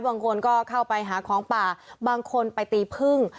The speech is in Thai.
บางคนก็เข้าไปหาของป่าบางคนไปตีพึ่ง